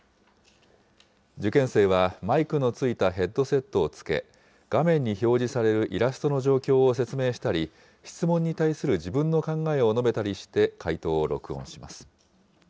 受験生は、マイクの付いたヘッドセットをつけ、画面に表示されるイラストの状況を説明したり、質問に対する自分の考えを述べたりして解答を録音します。